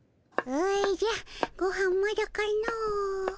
おじゃごはんまだかの。